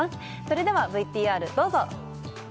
それではＶＴＲどうぞ！